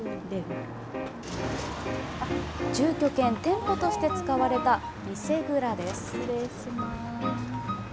住居兼店舗として使われた店蔵です。